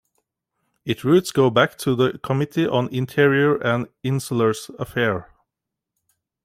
Its roots go back to the 'Committee on Interior and Insulars Affair'.